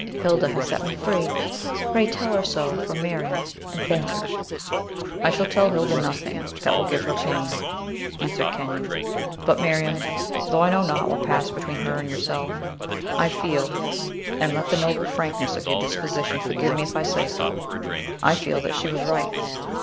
Hilda has set me free! Pray tell her so, from Miriam, and thank her!" "I shall tell Hilda nothing that will give her pain," answered Kenyon. "But, Miriam, though I know not what passed between her and yourself, I feel, and let the noble frankness of your disposition forgive me if I say so, I feel that she was right.